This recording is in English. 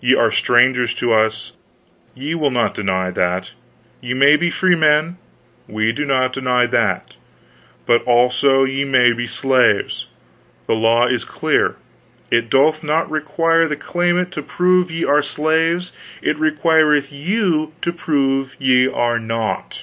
Ye are strangers to us; ye will not deny that. Ye may be freemen, we do not deny that; but also ye may be slaves. The law is clear: it doth not require the claimant to prove ye are slaves, it requireth you to prove ye are not."